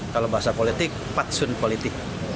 kalau bahasa politik patsun politik